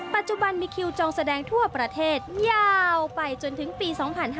ปัจจุบันมีคิวจองแสดงทั่วประเทศยาวไปจนถึงปี๒๕๕๙